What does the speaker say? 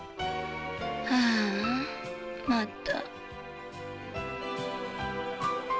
「ああまた」